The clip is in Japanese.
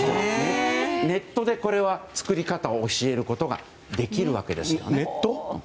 ネットで作り方を教えることができるわけです。